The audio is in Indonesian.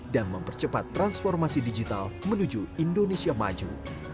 dan mempercepat transformasi digital menuju indonesia maju